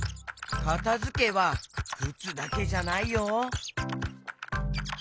かたづけはくつだけじゃないよ。